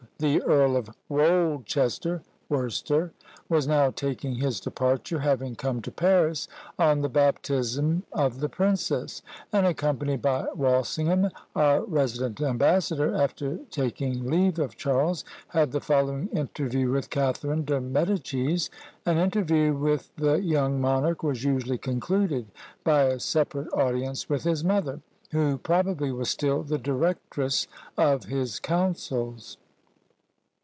The Earl of Wolchester (Worcester) was now taking his departure, having come to Paris on the baptism of the princess; and accompanied by Walsingham, our resident ambassador, after taking leave of Charles, had the following interview with Catharine de Medicis. An interview with the young monarch was usually concluded by a separate audience with his mother, who probably was still the directress of his councils.